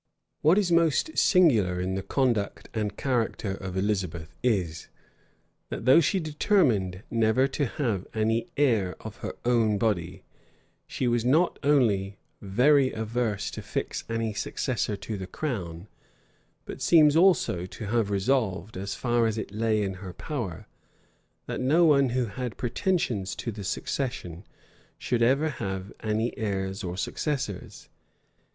What is most singular in the conduct and character of Elizabeth is, that though she determined never to have any heir of her own body, she was not only very averse to fix any successor to the crown, but seems, also, to have resolved, as far as it lay in her power, that no one who had pretensions to the succession should ever have any heirs or successors.